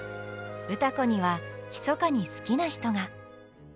歌子にはひそかに好きな人が。